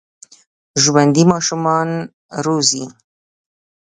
ژوندي ماشومان روزي